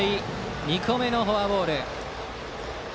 ２個目のフォアボール。